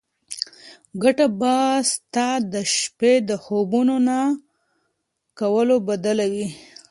ګټه به ستا د شپې د خوبونو د نه کولو بدله وي.